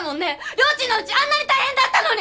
りょーちんのうちあんなに大変だったのに！